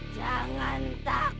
jangan takut sekar